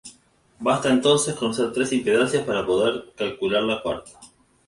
Basta entonces conocer tres impedancias para poder calcular la cuarta.